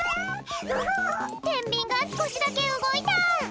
てんびんがすこしだけうごいた！